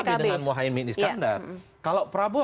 tapi dengan mohaimin iskandar kalau prabowo